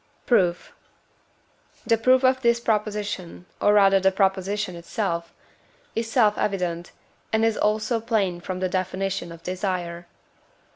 Proof. The proof of this proposition, or rather the proposition itself, is self evident, and is also plain from the definition of desire.